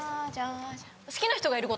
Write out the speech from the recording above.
『好きな人がいること』